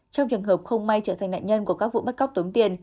trong trường hợp không may trở thành nạn nhân của các vụ bắt cóc tống tiền